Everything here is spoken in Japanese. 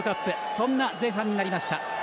そんな前半になりました。